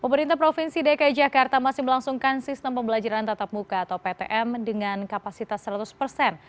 pemerintah provinsi dki jakarta masih melangsungkan sistem pembelajaran tatap muka atau ptm dengan kapasitas seratus persen